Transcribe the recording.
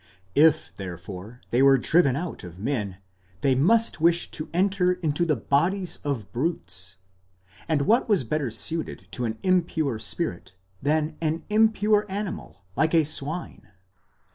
if therefore they were driven out of men they must wish to enter into the bodies of brutes, and what was better suited to an impure spirit πνεῦμα ἀκάθαρτον, than an impure animal ζῶον ἀκάθαρτον, like a swine??!